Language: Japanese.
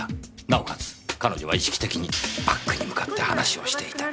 なおかつ彼女は意識的にバッグに向かって話をしていた。